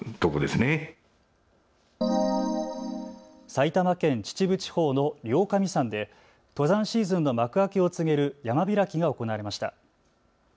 埼玉県秩父地方の両神山で登山シーズンの幕開けを告げる山開きが行われました。